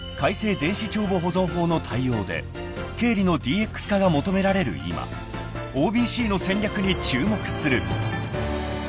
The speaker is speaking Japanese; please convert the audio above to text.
電子帳簿保存法の対応で経理のＤＸ化が求められる今ＯＢＣの戦略に注目する］